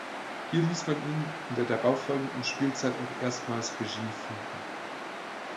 Hier ließ man ihn in der darauf folgenden Spielzeit auch erstmals Regie führen.